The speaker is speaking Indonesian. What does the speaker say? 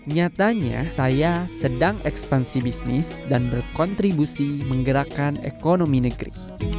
nyatanya saya sedang ekspansi bisnis dan berkontribusi menggerakkan ekonomi negeri